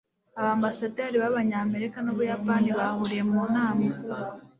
abambasaderi b'abanyamerika n'ubuyapani bahuriye mu nama